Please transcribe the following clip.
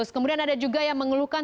kemudian ada juga yang mengeluhkan